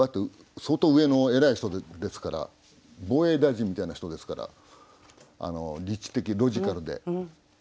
相当上の偉い人ですから防衛大臣みたいな人ですから理知的ロジカルで。